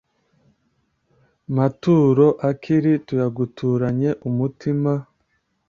maturo akira, tuyaguturanye umutima